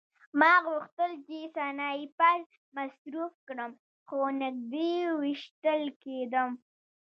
ما غوښتل چې سنایپر مصروف کړم خو نږدې ویشتل کېدم